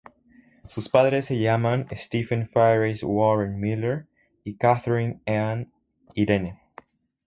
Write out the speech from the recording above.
Sus padres se llaman Stephen Faris Warren Miller y Katherine Ann Irene.